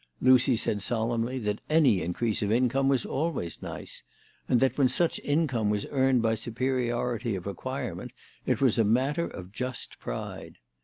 Lucy said solemnly that any increase of income was always nice, and that when such income was earned by superiority of acquirement it was a matter of just pride.